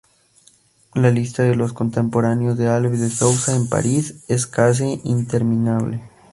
La lista de los contemporáneos de Alves de Sousa en París es casi interminable.